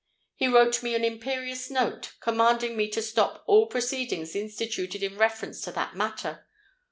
He wrote me an imperious note, commanding me to stop all proceedings instituted in reference to that matter.